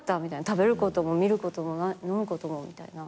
食べることも見ることも飲むこともみたいな。